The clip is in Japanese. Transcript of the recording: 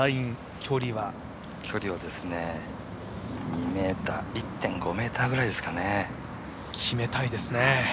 距離は、２ｍ、１．５ｍぐらいですかね決めたいですね。